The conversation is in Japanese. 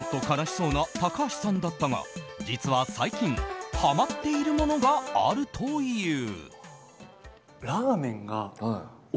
ちょっと悲しそうな高橋さんだったが実は最近ハマっているものがあるという。